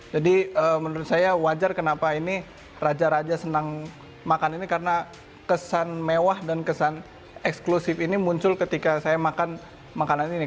jadi menurut saya wajar kenapa ini raja raja senang makan ini karena kesan mewah dan kesan eksklusif ini muncul ketika saya makan makanan ini